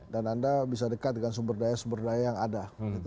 dan anda bisa dekat dengan sumber daya sumber daya yang ada